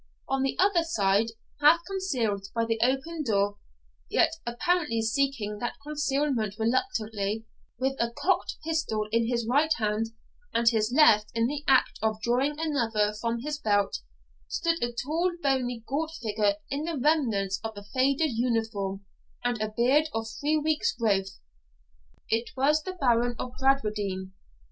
On the other side, half concealed by the open door, yet apparently seeking that concealment reluctantly, with a cocked pistol in his right hand and his left in the act of drawing another from his belt, stood a tall bony gaunt figure in the remnants of a faded uniform and a beard of three weeks' growth. It was the Baron of Bradwardine.